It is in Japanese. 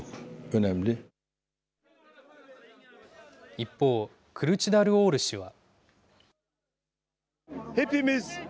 一方、クルチダルオール氏は。